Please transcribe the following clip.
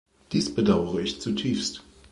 Dies bedaure ich zutiefst.